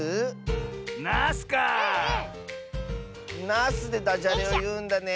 ナスでダジャレをいうんだね！